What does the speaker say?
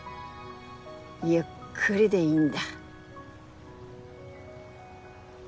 ゆっくりでいいんだ。